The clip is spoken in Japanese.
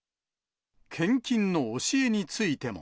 献金の教えについても。